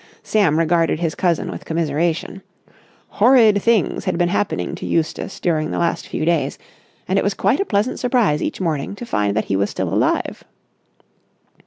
Sam regarded his cousin with commiseration. Horrid things had been happening to Eustace during the last few days, and it was quite a pleasant surprise each morning to find that he was still alive.